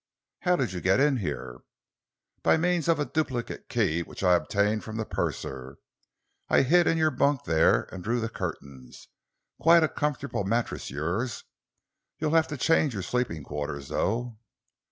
"How did you get in here?" "By means of a duplicate key which I obtained from the purser. I hid in your bunk there and drew the curtains. Quite a comfortable mattress, yours. You'll have to change your sleeping quarters, though."